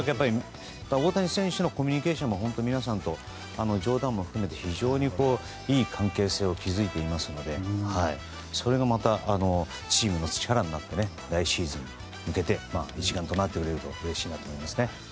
大谷選手のコミュニケーションも皆さんと冗談を含めていい関係性を築いていますのでそれがまた、チームの力になって来シーズンに向けて一丸になってくれるとうれしいなと思いますね。